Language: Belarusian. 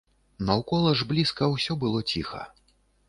Наўкола ж блізка ўсё было ціха.